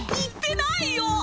言ってないよ！